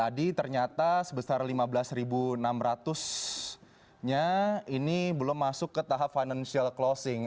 tadi ternyata sebesar lima belas enam ratus nya ini belum masuk ke tahap financial closing